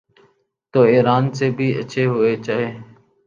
تو ایران سے بھی اچھے ہونے چائیں۔